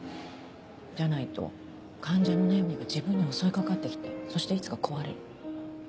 じゃないと患者の悩みが自分に襲い掛かって来てそしていつか壊れる。